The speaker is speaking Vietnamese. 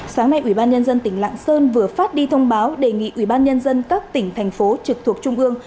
sáng nay ủy ban nhân dân tỉnh lạng sơn vừa phát đi thông báo đề nghị ủy ban nhân dân các tỉnh thành phố trực thuộc trung ương